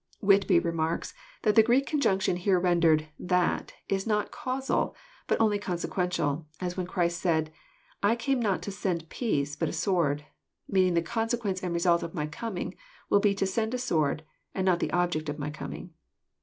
Whitby remarks that the Greek conjunction here rendered " that " is not causal, but only consequential^ as when Christ said, " I came not to send peace, but a sword," meaning, the consequence and result of My coming will be to send a sword, and not the object of My coming.